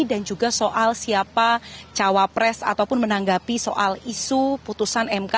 dan juga soal siapa cawapres ataupun menanggapi soal isu putusan mk